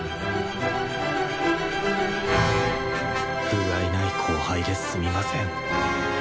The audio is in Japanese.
ふがいない後輩ですみません。